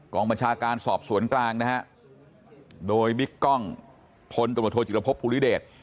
บัญชาการสอบสวนกลางนะฮะโดยบิ๊กกล้องพลตำรวจโทจิรพบภูริเดช